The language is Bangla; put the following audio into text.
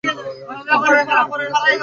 এদেরকে এক সাথে এক সপ্তাহ রাখলে জোড়া বাঁধে।